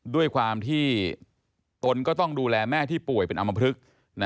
ด้วยความที่ตนก็ต้องดูแลแม่ที่ป่วยเป็นอำมพลึก